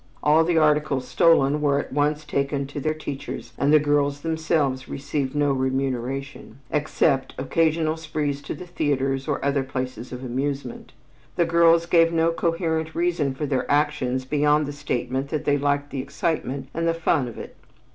All the articles stolen were at once taken to their teachers and the girls themselves received no remuneration, except occasional sprees to the theaters or other places of amusement. The girls gave no coherent reason for their actions beyond the statement that they liked the excitement and the fun of it.